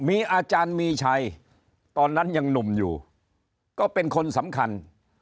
มีอาจารย์มีชัยตอนนั้นยังหนุ่มอยู่ก็เป็นคนสำคัญ